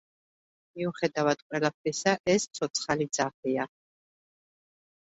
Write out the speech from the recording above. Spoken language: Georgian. მიუხედავად ყველაფრისა, ეს ცოცხალი ძაღლია.